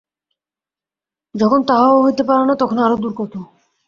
যখন তাহাও হইতে পারে না, তখন আরও কত দূর!